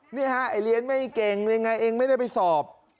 นี่ฮะไอ้เรียนไม่เก่งยังไงเองไม่ได้ไปสอบ